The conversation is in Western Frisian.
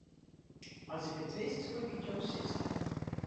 As ik it wist, soe ik it jo sizze.